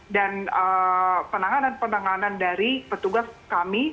dan penanganan penanganan dari petugas kami